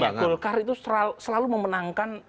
ya golkar itu selalu memenangkan